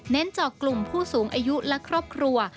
เจาะกลุ่มผู้สูงอายุและครอบครัว